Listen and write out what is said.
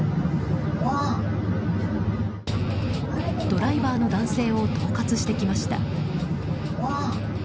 ドライバーの男性を恫喝してきました。